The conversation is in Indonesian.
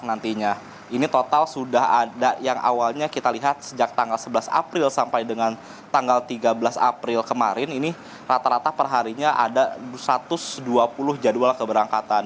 dan total sudah ada yang awalnya kita lihat sejak tanggal sebelas april sampai dengan tanggal tiga belas april kemarin ini rata rata perharinya ada satu ratus dua puluh jadwal keberangkatan